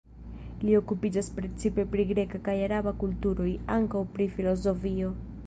Li okupiĝas precipe pri greka kaj araba kulturoj, ankaŭ pri filozofio.